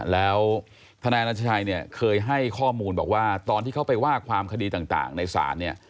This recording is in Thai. แล้วทนายอันตราชัยเคยให้ข้อมูลบอกว่าตอนที่เขาไปว่าความคดีต่างในศาล